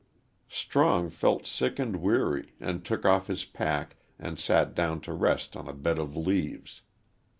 Strong felt sick and weary, and took off his pack and sat down to rest on a bed of leaves.